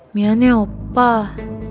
mian ya opah